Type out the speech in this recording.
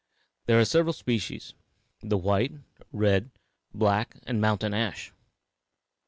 There are several species the white, red, black and mountain ash.